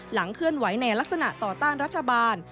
เคลื่อนไหวในลักษณะต่อต้านรัฐบาล